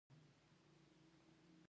په سترګو باندې يې زما خوا ته اشاره وکړه.